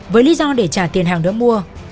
với lý do để trả tiền hàng đỡ mua